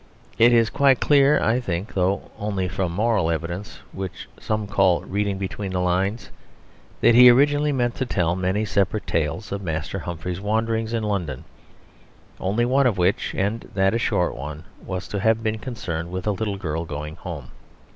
It is quite clear I think (though only from moral evidence, which some call reading between the lines) that he originally meant to tell many separate tales of Master Humphrey's wanderings in London, only one of which, and that a short one, was to have been concerned with a little girl going home.